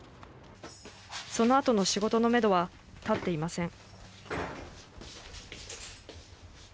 そのあとの仕事のめどは立っていません。